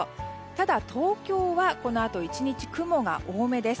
ただ、東京はこのあと１日雲が多めです。